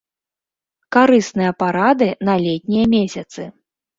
Карысныя парады на летнія месяцы.